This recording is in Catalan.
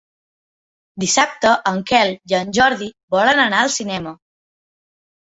Dissabte en Quel i en Jordi volen anar al cinema.